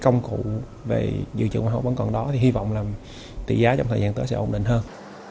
công cụ về dự trữ ngoại hối vẫn còn đó thì hy vọng là tỷ giá trong thời gian tới sẽ ổn định hơn